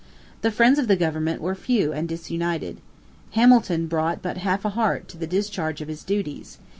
The friends of the government were few and disunited. Hamilton brought but half a heart to the discharge of his duties.